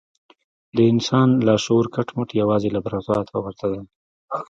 د انسان لاشعور کټ مټ يوې لابراتوار ته ورته دی.